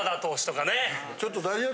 ちょっと。